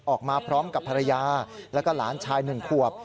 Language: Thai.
ออกมาพร้อมกับภรรยาแล้วก็หลานชาย๑ขวบ